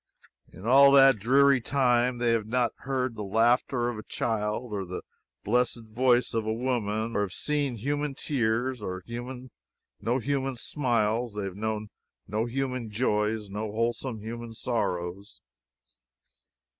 In all that dreary time they have not heard the laughter of a child or the blessed voice of a woman; they have seen no human tears, no human smiles; they have known no human joys, no wholesome human sorrows.